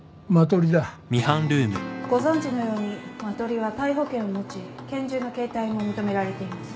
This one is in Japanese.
ご存じのようにマトリは逮捕権を持ち拳銃の携帯も認められています。